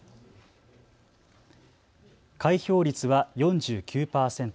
開票率は４９％。